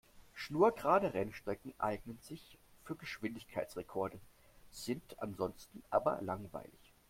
Schnurgerade Rennstrecken eignen sich für Geschwindigkeitsrekorde, sind ansonsten aber langweilig.